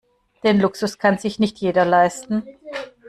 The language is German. Den Luxus kann sich nicht jeder leisten.